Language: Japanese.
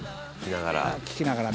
「聞きながら？」